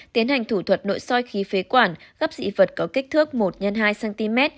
tiến hành thủ thuật nội soi khí phế quản gấp dị vật có kích thước một x hai cm